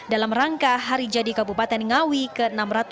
dalam rangka hari jadi kabupaten ngawi ke enam ratus sembilan puluh